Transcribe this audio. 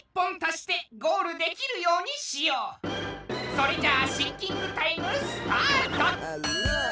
それじゃあシンキングタイムスタート！